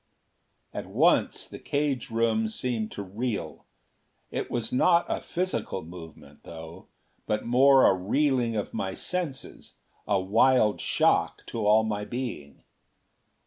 At once the cage room seemed to reel. It was not a physical movement, though, but more a reeling of my senses, a wild shock to all my being.